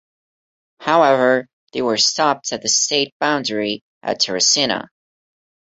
However, they were stopped at the state boundary at Terracina.